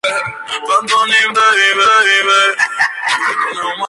La tormenta se trasladó a la costa de Nicaragua a partir de entonces.